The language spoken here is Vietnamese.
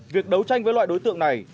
việc đấu tranh với loại đối tượng này